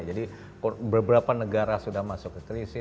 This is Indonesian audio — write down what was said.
jadi beberapa negara sudah masuk ke krisis